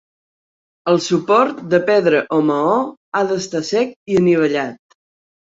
El suport, de pedra o maó, ha d'estar sec i anivellat.